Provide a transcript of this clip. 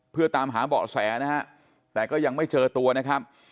เพื่อตามหาเบาะแสนะฮะแต่ก็ยังไม่เจอตัวนะครับ